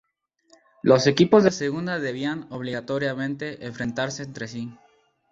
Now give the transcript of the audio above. Los equipos de Segunda debían, obligatoriamente, enfrentarse entre sí.